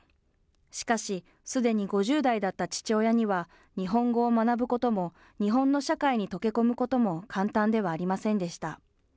しかし、すでに５０代だった父親には日本語を学ぶことも、日本の社会に溶け込むことも簡単ではありませんでした。